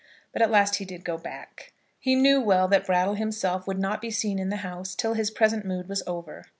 But at last he did go back. He knew well that Brattle himself would not be seen in the house till his present mood was over.